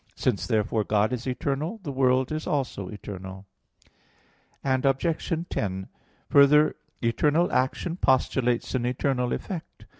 44, AA. 2, 3, 4). Since therefore God is eternal, the world is also eternal. Obj. 10: Further, eternal action postulates an eternal effect.